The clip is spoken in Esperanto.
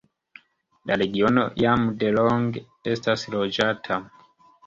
La regiono jam delonge estas loĝata.